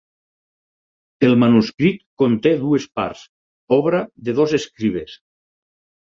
El manuscrit conté dues parts, obra de dos escribes.